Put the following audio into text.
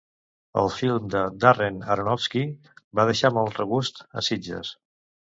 El film de Darren Aronofsky va deixar mal regust a Sitges.